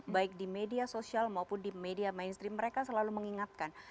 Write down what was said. baik di media sosial maupun di media mainstream mereka selalu mengingatkan